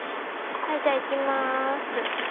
はいじゃあいきまーす。